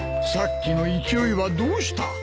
さっきの勢いはどうした。